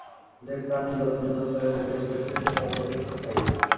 যে-প্রাণী যত নিম্নস্তরের হইবে, ইন্দ্রিয়সুখে সে তত অধিক সুখ পাইবে।